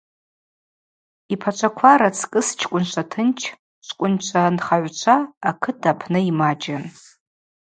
Йпачваква рацкӏыс чкӏвынчва тынч, чкӏвынчва нхагӏвчва акыт апны ймачӏын.